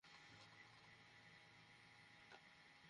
মনে হচ্ছে আমরা সবেমাত্র ফিলাডেলফিয়ায় পৌঁছেছি।